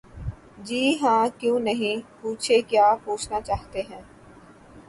جی ہاں کیوں نہیں...پوچھیں کیا پوچھنا چاہتے ہیں؟